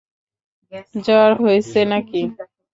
জ্বর হইসে নাকি?